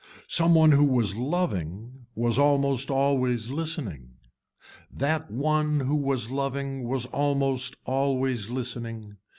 Some one who was loving was almost always listening. That one who was loving was almost always listening.